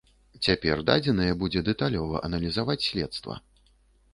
Цяпер дадзеныя будзе дэталёва аналізаваць следства.